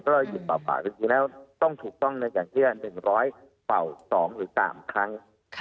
ก็ยินปากปากแล้วต้องถูกต้องอย่างเชื่อหนึ่งร้อยเป่าสองหรือตามครั้ง